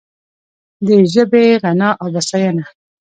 د ژبې غنا او بسیاینه